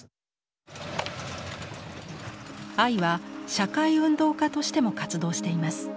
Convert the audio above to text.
アイは社会運動家としても活動しています。